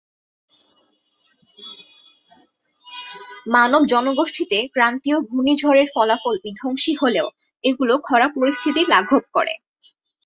মানব জনগোষ্ঠীতে ক্রান্তীয় ঘূর্ণিঝড়ের ফলাফল বিধ্বংসী হলেও, এগুলো খরা পরিস্থিতি লাঘব করে।